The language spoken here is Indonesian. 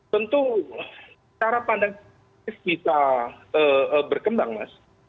tentu cara pandang bisa berkembang mas